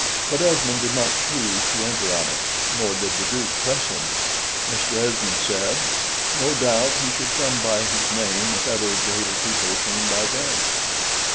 But Esmond did not choose to enter on it, nor did the Duke press him. Mr. Esmond said, "No doubt he should come by his name if ever greater people came by theirs."